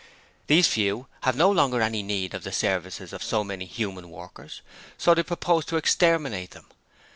These Few have no longer any need of the services of so many human workers, so they propose to exterminate them!